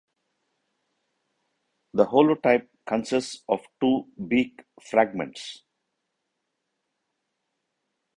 The holotype consists of two beak fragments.